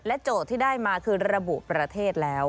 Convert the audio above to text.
โจทย์ที่ได้มาคือระบุประเทศแล้ว